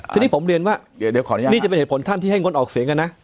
ทีนี้ผมเรียนว่านี่จะเป็นเหตุผลท่านที่ให้งดออกเสียงกันนะ